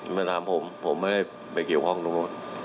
ไม่ถามผมผมไม่ได้ไปเกี่ยวข้องทุกคน